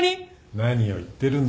何を言ってるんだ。